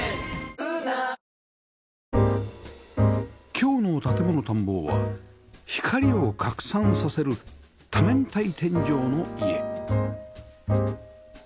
今日の『建もの探訪』は光を拡散させる多面体天井の家